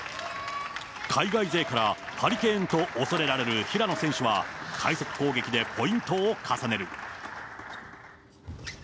海外勢からハリケーンと恐れられる平野選手は、快速攻撃でポイントを重ねる。